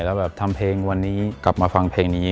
แล้วแบบทำเพลงวันนี้กลับมาฟังเพลงนี้